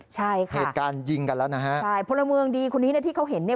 ใช่ค่ะเหตุการณ์ยิงกันแล้วนะฮะใช่พลเมืองดีคนนี้เนี่ยที่เขาเห็นเนี่ย